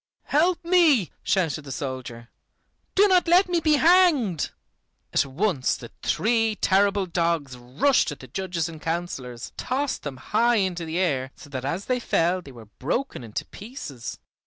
"Help me," shouted the soldier; "do not let me be hanged." At once the three terrible dogs rushed at the judges and councilors, tossed them high into the air, so that as they fell they were broken into pieces.